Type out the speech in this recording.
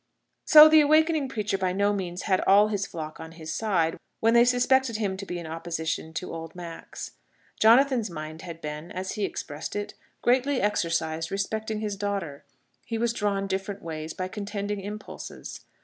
So the awakening preacher by no means had all his flock on his side, when they suspected him to be in opposition to old Max. Jonathan's mind had been, as he expressed it, greatly exercised respecting his daughter. He was drawn different ways by contending impulses.